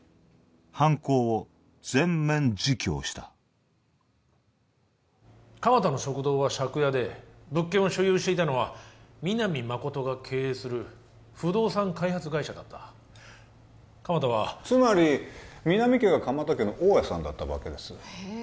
犯行を全面自供した鎌田の食堂は借家で物件を所有していたのは皆実誠が経営する不動産開発会社だった鎌田はつまり皆実家が鎌田家の大家さんだったわけですへえ